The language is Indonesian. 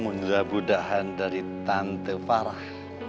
mundur abudahan dari tante farah